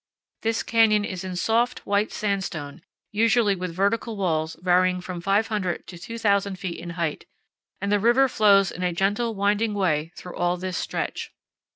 This canyon is in soft, white sandstone, usually with vertical walls varying from 500 to 2,000 feet in height, and the river flows in a gentle winding way through all this stretch.